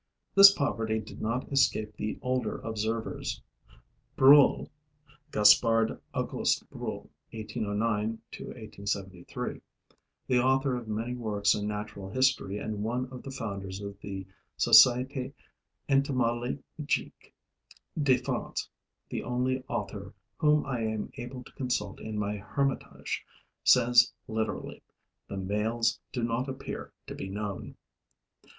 This poverty did not escape the older observers. Brulle [Gaspard August Brulle (1809 1873)], the author of many works on natural history and one of the founders of the Societe entomologique de France, the only author whom I am able to consult in my hermitage, says, literally: 'The males do not appear to be known.'